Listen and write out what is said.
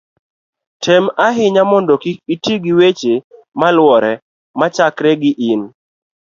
tem ahinya mondo kik iti gi weche maluwore machakre gi in